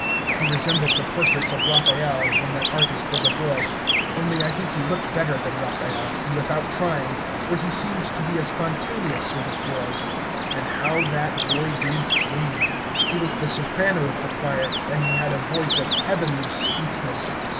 He resembled the portraits of Raphael, when that artist was a boy; only I think he looked better than Raphael, and without trying, for he seemed to be a spontaneous sort of boy. And how that boy did sing! He was the soprano of the choir, and he had a voice of heavenly sweetness.